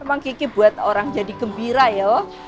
emang kiki buat orang jadi gembira ya